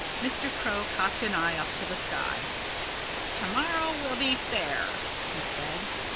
Mr. Crow cocked an eye up at the sky. "To morrow will be fair," he said.